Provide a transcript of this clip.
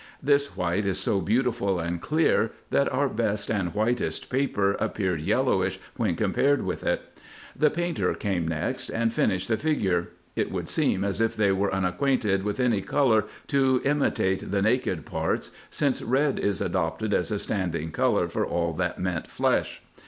This white is so beautiful and clear, that our best and whitest paper appeared yellowish when compared with it. The painter came next, and finished the figure. It would seem as if they were unacquainted with any colour to imitate the naked parts, since red is adopted as a standing colour for all that meant flesh.